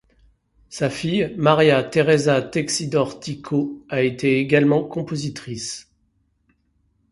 Sa fille, María Teresa Texidor Tico, a été également compositrice.